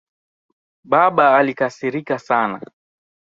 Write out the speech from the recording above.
Baba alikasirika sana